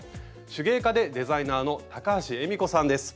手芸家でデザイナーの高橋恵美子さんです。